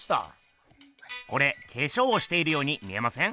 これ化粧をしているように見えません？